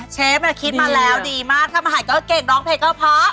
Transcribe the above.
เชฟคิดมาแล้วดีมากถ้ามาหายก็เก่งร้องเพลงก็เพราะ